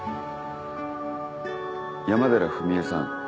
山寺史絵さん